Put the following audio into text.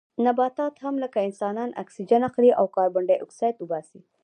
نباتات هم لکه انسانان اکسیجن اخلي او کاربن ډای اکسایډ وباسي